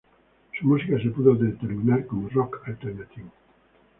Su música se puede determinar como Rock Alternativo.